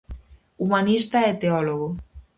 Humanista e teólogo.